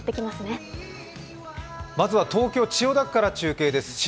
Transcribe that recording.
まずは東京・千代田区から中継です。